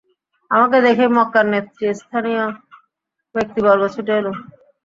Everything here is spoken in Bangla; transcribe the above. আমাকে দেখেই মক্কার নেতৃস্থানীয় ব্যক্তিবর্গ ছুটে এল।